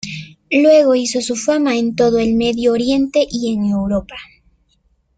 Luego hizo su fama en todo el Medio Oriente y en Europa.